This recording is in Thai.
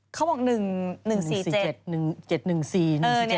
เค้าก็บอกอยู่ที่๑๔๗